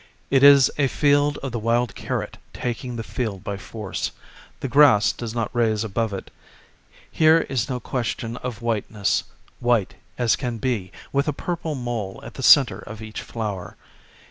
It is a field of the wild carrot taking thefield by force; the grass does not raise above it. Here is no question of whiteness, white as can be, with a purple mole at the center of each flower.